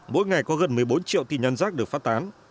mỗi ngày có gần một mươi bốn triệu tin nhắn rác được phát tán